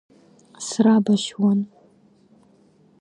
Срабашьуан…